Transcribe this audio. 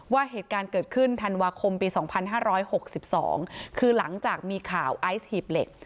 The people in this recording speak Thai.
ว่าเหตุการณ์เกิดขึ้นธันวาคมปี๒๕๖๒คือหลังจากมีข่าวไอซ์หีบเหล็ก